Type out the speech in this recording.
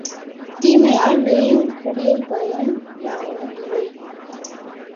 தீமையால் விளையக்கூடிய பயன் யாதுமில்லை.